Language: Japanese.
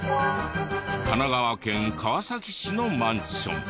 神奈川県川崎市のマンション。